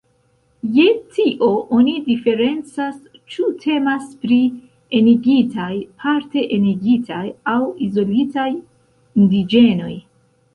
Je tio oni diferencas, ĉu temas pri "enigitaj", "parte enigitaj" aŭ "izolitaj" indiĝenoj.